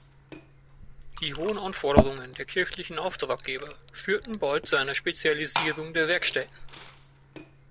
Die hohen Anforderungen der kirchlichen Auftraggeber führten bald zu einer Spezialisierung der Werkstätten.